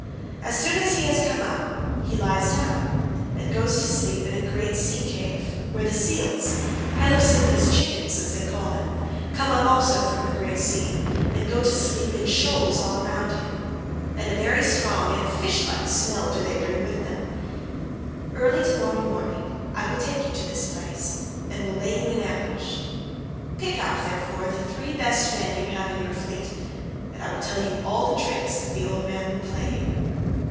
As soon as he has come up he lies down, and goes to sleep in a great sea cave, where the seals—Halosydne's chickens as they call them—come up also from the grey sea, and go to sleep in shoals all round him; and a very strong and fish like smell do they bring with them. 44 Early to morrow morning I will take you to this place and will lay you in ambush. Pick out, therefore, the three best men you have in your fleet, and I will tell you all the tricks that the old man will play you.